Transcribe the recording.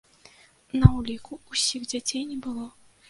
На ўліку ўсіх дзяцей не было.